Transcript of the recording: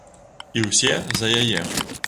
І ўсе за яе.